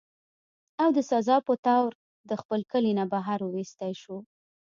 او د سزا پۀ طور د خپل کلي نه بهر اوويستی شو